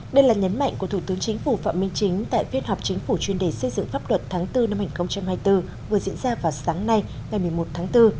đây là nhấn mạnh của thủ tướng chính phủ phạm minh chính tại phiên họp chính phủ chuyên đề xây dựng pháp luật tháng bốn năm hai nghìn hai mươi bốn vừa diễn ra vào sáng nay ngày một mươi một tháng bốn